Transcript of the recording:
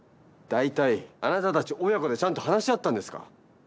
大体あなたたち親子でちゃんと話し合ったんですか？